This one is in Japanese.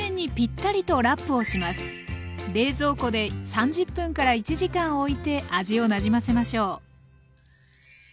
冷蔵庫で３０分から１時間おいて味をなじませましょう。